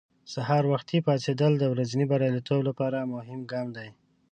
سهار وختي پاڅېدل د ورځې بریالیتوب لپاره مهم ګام دی.